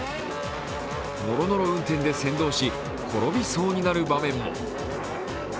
のろのろ運転で先導し、転びそうになる場面も。